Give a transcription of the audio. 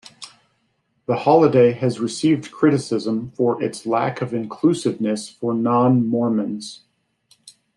The holiday has received criticism for its lack of inclusiveness for non-Mormons.